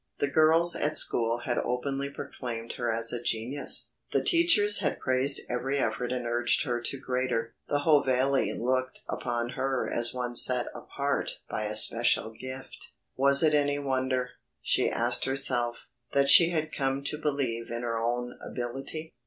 The girls at school had openly proclaimed her as a genius, the teachers had praised every effort and urged her to greater, the whole Valley looked upon her as one set apart by a special gift. Was it any wonder, she asked herself, that she had come to believe in her own ability.